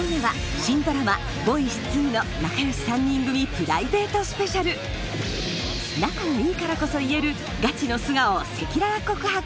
今夜はプライベートスペシャル仲がいいからこそ言えるガチの素顔を赤裸々告白